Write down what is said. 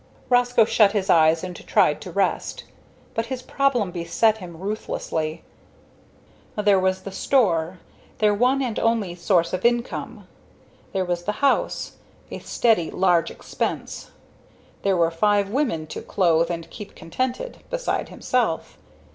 Roscoe shut his eyes and tried to rest, but his problem beset him ruthlessly. There was the store their one and only source of income. There was the house, a steady, large expense. There were five women to clothe and keep contented, beside himself.